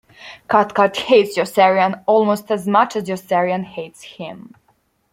Cathcart hates Yossarian almost as much as Yossarian hates him.